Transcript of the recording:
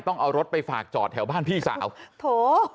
ต้องเอารถไปฝากจอดแถวบ้านพี่สาวโถ